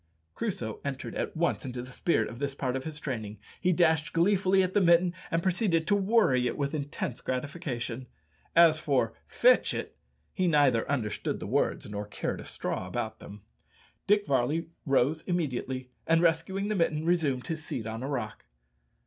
Crusoe entered at once into the spirit of this part of his training; he dashed gleefully at the mitten, and proceeded to worry it with intense gratification. As for "Fetch it," he neither understood the words nor cared a straw about them. Dick Varley rose immediately, and rescuing the mitten, resumed his seat on a rock.